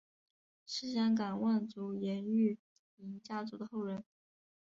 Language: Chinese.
是香港望族颜玉莹家族的后人。